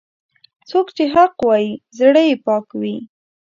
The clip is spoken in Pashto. څوک چې حق وايي، زړه یې پاک وي.